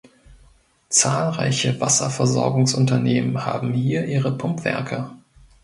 Zahlreiche Wasserversorgungsunternehmen haben hier ihre Pumpwerke.